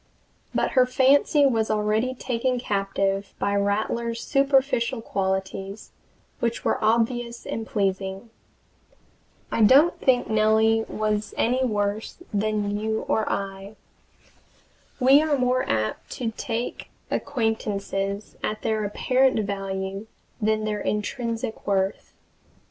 But her fancy was already taken captive by Rattler's superficial qualities, which were obvious and pleasing. I don't think Nellie was any worse than you or I. We are more apt to take acquaintances at their apparent value than their intrinsic worth.